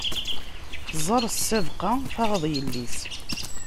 Ẓeṛ ssabqa, taɣeḍ illi-s!